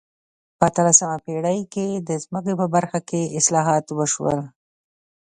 په اتلسمه پېړۍ کې د ځمکو په برخه کې اصلاحات وشول.